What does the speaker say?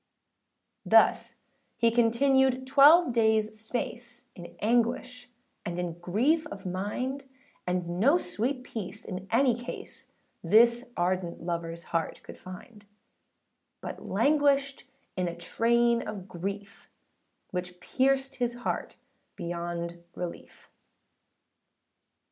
Thus he continued twelve daysâ space, In anguish and in grief of mind; And no sweet peace in any case, This ardent loverâs heart could find; But languished in a train of grief, Which pierced his heart beyond relief.